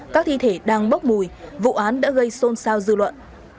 các thi thể đang bốc mùi vụ án đã gây xôn xao dư luận